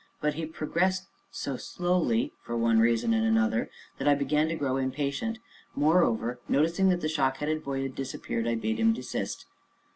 But he progressed so slowly, for one reason and another, that I began to grow impatient; moreover, noticing that the shock headed boy had disappeared, I bade him desist.